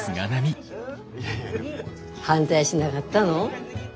反対しながったの？